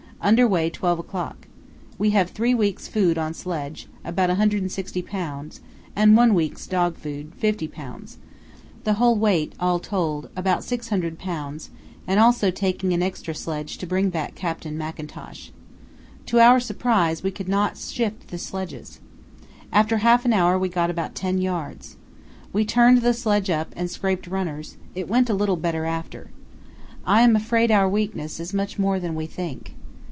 Under way 12 o'clock. We have three weeks' food on sledge, about 160 lbs., and one week's dog food, 50 lbs. The whole weight, all told, about 600 lbs., and also taking an extra sledge to bring back Captain Mackintosh. To our surprise we could not shift the sledges. After half an hour we got about ten yards. We turned the sledge up and scraped runners; it went a little better after. I am afraid our weakness is much more than we think.